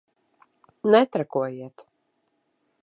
Netrakojiet!